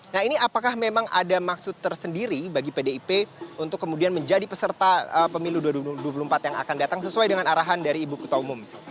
nah ini apakah memang ada maksud tersendiri bagi pdip untuk kemudian menjadi peserta pemilu dua ribu dua puluh empat yang akan datang sesuai dengan arahan dari ibu kota umum